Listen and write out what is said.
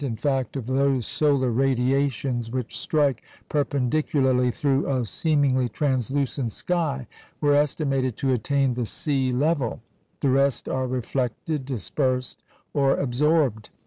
in fact, of those solar radiations which strike perpendicularly through a seemingly translucent sky, were estimated to attain the sea level. The rest are reflected, dispersed, or absorbed.